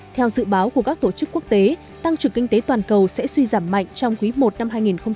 theo dự báo của các tổ chức quốc tế tăng trưởng kinh tế toàn cầu sẽ suy giảm mạnh trong quý i năm hai nghìn hai mươi